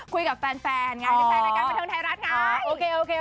คุยกับแฟนในการมาเทิงไทยรัฐไง